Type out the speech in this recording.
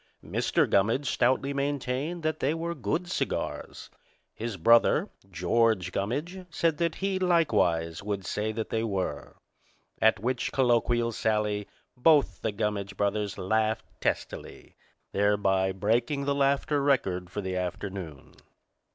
Mr. Gummidge stoutly maintained that they were good cigars. His brother, George Gummidge, said that he, likewise, would say that they were. At which colloquial sally both the Gummidge brothers laughed testily, thereby breaking the laughter record for the afternoon.